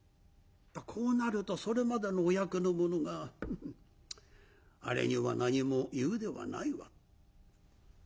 こうなるとそれまでのお役の者が「あれには何も言うではないわ」。